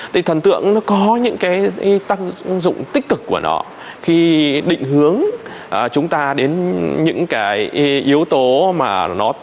thì thần tượng nó có những cái tác dụng tích cực của nó khi định hướng chúng ta đến những cái yếu tố mà nó